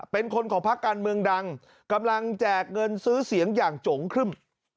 เป็นคนของพักการเมืองดังกำลังแจกเงินซื้อเสียงอย่างจงครึ่ม